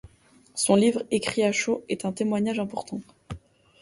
Son livre, écrit à chaud, est un témoignage important.